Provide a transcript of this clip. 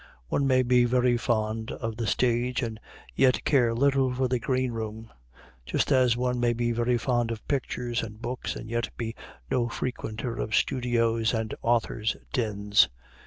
One may be very fond of the stage and yet care little for the green room; just as one may be very fond of pictures and books and yet be no frequenter of studios and authors' dens.